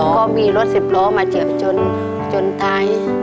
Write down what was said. ก็มีรถสิบล้อมาเฉียบจนท้าย